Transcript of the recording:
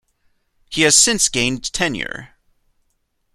He has since gained tenure.